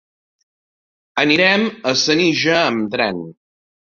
Anirem a Senija amb tren.